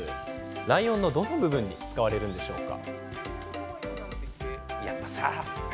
ライオンの、どの部分に使われるんでしょうか？